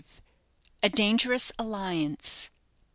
A DANGEROUS ALLIANCE.